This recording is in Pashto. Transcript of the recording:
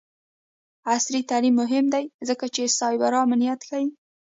عصري تعلیم مهم دی ځکه چې سایبر امنیت ښيي.